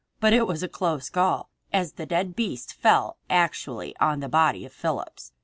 But it was a close call, as the dead beast fell actually on the body of Phillips.